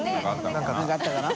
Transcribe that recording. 何かあったのかな？